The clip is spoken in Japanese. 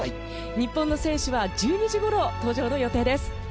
日本の選手は１２時ごろ登場の予定です。